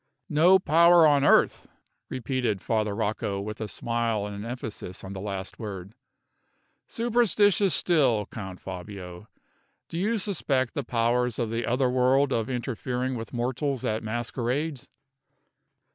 "No power on earth!" repeated Father Rocco, with a smile, and an emphasis on the last word. "Superstitious still, Count Fabio! Do you suspect the powers of the other world of interfering with mortals at masquerades?"